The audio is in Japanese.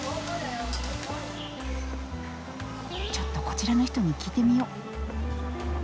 ちょっとこちらの人に聞いてみよう。